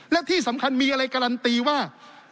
และที่สำคัญมีอะไรการันตีว่า